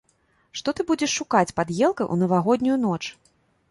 Што ты будзеш шукаць пад елкай у навагоднюю ноч?